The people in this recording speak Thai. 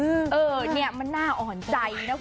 เออเนี่ยมันน่าอ่อนใจนะคุณ